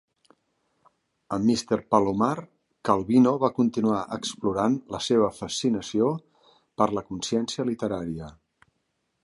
A "Mr. Palomar", Calvino va continuar explorant la seva fascinació per la consciència literària.